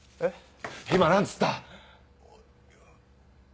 えっ？